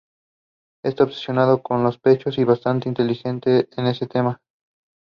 Wainright played four seasons of basketball for the Baylor Bears.